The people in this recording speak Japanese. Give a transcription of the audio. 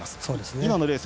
今のレース